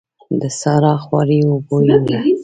د سارا خواري اوبو يوړه.